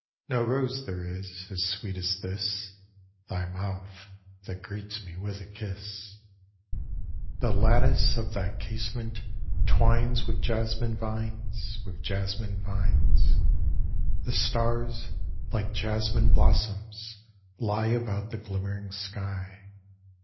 No rose there is As sweet as this Thy mouth, that greets me with a kiss. The lattice of thy casement twines With jasmine vines, with jasmine vines; The stars, like jasmine blossoms, lie About the glimmering sky.